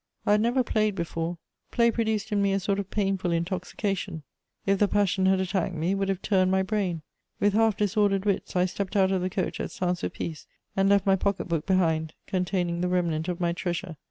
I had never played before: play produced in me a sort of painful intoxication; if the passion had attacked me, it would have turned my brain. With half disordered wits, I stepped out of the coach at Saint Sulpice, and left my pocket book behind, containing the remnant of my treasure.